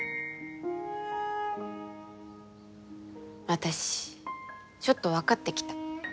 私ちょっと分かってきた。